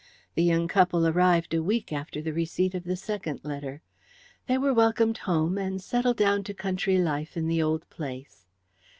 The young couple arrived a week after the receipt of the second letter. They were welcomed home, and settled down to country life in the old place.